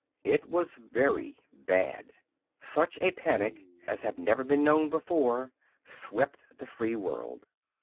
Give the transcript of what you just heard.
It was very bad. Such a panic as had never been known before swept the free world.